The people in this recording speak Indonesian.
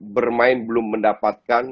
bermain belum mendapatkan